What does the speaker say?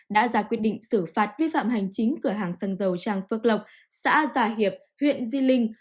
đã ra quyết định xử phạt vi phạm hành chính cửa hàng xăng dầu trang phước lộc xã gia hiệp huyện di linh